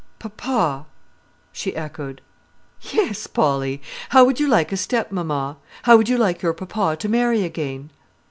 "Papa!" she echoed. "Yes, Polly. How would you like a stepmamma? How would you like your papa to marry again?"